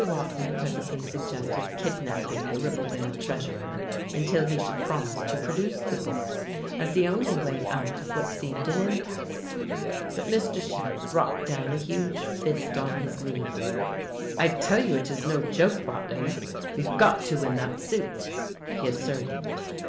Watling presently suggested kidnapping the Ribblevale treasurer until he should promise to produce the books as the only way out of what seemed an impasse. But Mr. Scherer brought down a huge fist on his knee. "I tell you it is no joke, Watling, we've got to win that suit," he asserted.